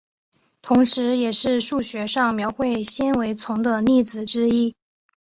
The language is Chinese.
同时也是数学上描绘纤维丛的例子之一。